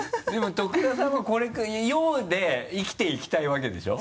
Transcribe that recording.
でも徳田さんは陽で生きていきたいわけでしょ？